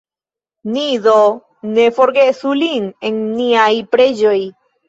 Ni do ne forgesu lin en niaj preĝoj.